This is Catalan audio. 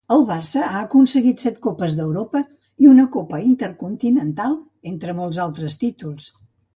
Al Barça ha aconseguit set Copes d'Europa i una Copa Intercontinental, entre molts altres títols.